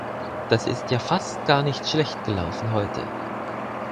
Das ist ja fast gar nicht schlecht gelaufen heute.